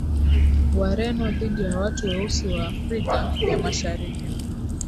Wareno dhidi ya watu weusi wa Afrika ya Mashariki